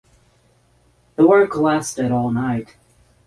The work lasted all night.